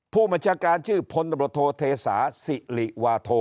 ผู้มจการชื่อผลตำรวจโทษธนิษฐกษ์ธีรสวรรค์